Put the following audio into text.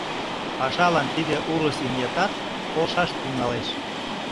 Пашалан тиде урыс имнетат полшаш тӱҥалеш.